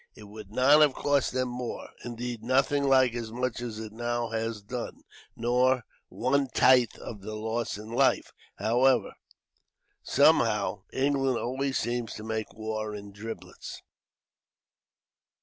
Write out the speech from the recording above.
It would not have cost them more; indeed, nothing like as much as it now has done, nor one tithe of the loss in life. Somehow, England always seems to make war in driblets."